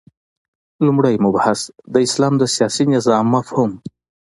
لومړی مبحث : د اسلام د سیاسی نظام مفهوم